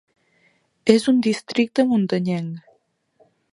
És un districte muntanyenc.